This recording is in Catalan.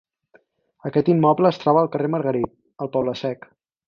Aquest immoble es troba al carrer Margarit, al Poble Sec.